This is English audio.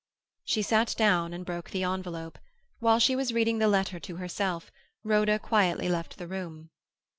She sat down and broke the envelope. Whilst she was reading the letter to herself, Rhoda quietly left the room.